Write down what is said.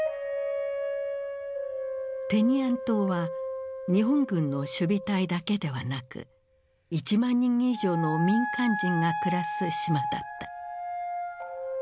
テニアン島は日本軍の守備隊だけではなく１万人以上の民間人が暮らす島だった。